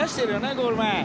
ゴール前。